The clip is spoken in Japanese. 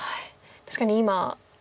確かに今。